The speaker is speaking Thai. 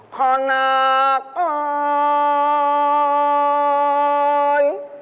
พรนาคออย